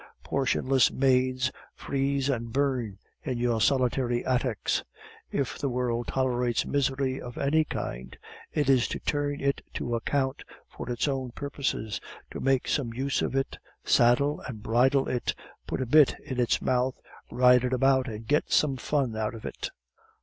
Portionless maids, freeze and burn in your solitary attics. If the world tolerates misery of any kind, it is to turn it to account for its own purposes, to make some use of it, saddle and bridle it, put a bit in its mouth, ride it about, and get some fun out of it.